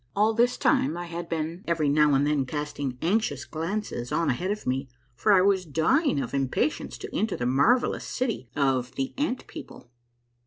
All this time I had been every now and then casting anxious glances on ahead of me, for I was dying of impatience to enter the marvellous city of the Ant People.